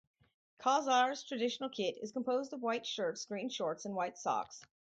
Khazar's traditional kit is composed of white shirts, green shorts and white socks.